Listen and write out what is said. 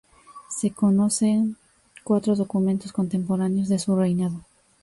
Se conocen cuatro documentos contemporáneos de su reinado.